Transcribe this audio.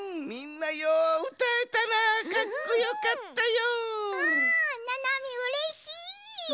ななみうれしい！